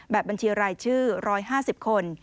บัญชีรายชื่อ๑๕๐คน